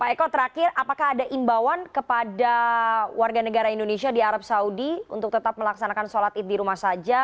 pak eko terakhir apakah ada imbauan kepada warga negara indonesia di arab saudi untuk tetap melaksanakan sholat id di rumah saja